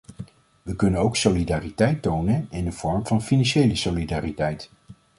We kunnen ook solidariteit tonen in de vorm van financiële solidariteit.